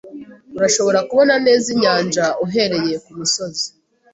Urashobora kubona neza inyanja uhereye kumusozi.